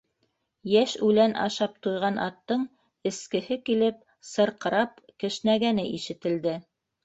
Йәш үлән ашап туйған аттың эскеһе килеп сырҡырап кешнәгәне ишетелде.